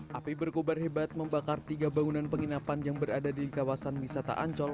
hai api berkubar hebat membakar tiga bangunan penginapan yang berada di kawasan wisata ancol